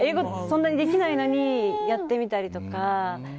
そんなにできないのにやってみたりとか。